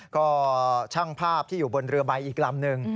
ก็ช่างภาพที่อยู่บนเรือใบอีกลำหนึ่ง